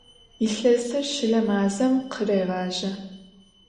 Yilhesır şıle mazem khırêğaje.